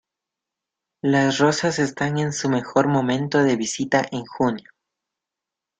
Las rosas están en su mejor momento de visita en junio.